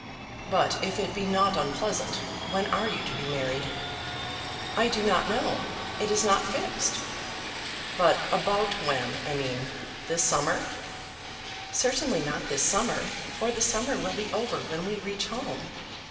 "But if it be not unpleasant, when are you to be married?" "I do not know. It is not fixed." "But about when, I mean? This summer?" "Certainly not this summer, for the summer will be over when we reach home."